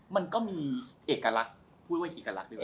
มันก็มีเอกลักษณ์พูดว่าเอกลักษณ์ดีกว่า